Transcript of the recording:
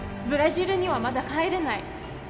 ブラジルにはまだ帰れない